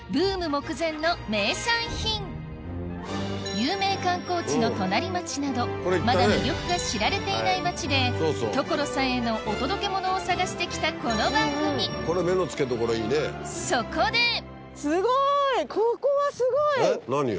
有名観光地の隣町などまだ魅力が知られていない町で所さんへのお届けモノを探してきたこの番組そこでここはすごい！